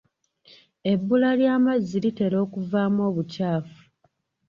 Ebbula ly'amazzi litera okuvaamu obukyafu.